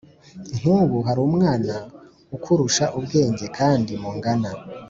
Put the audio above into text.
Nkubu harumwana ukurusha ubwenge kandi mungana